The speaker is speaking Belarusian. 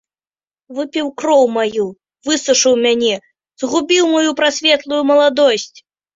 Выпіў кроў маю, высушыў мяне, згубіў маю прасветлую маладосць!